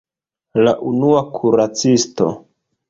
La unua kuracisto!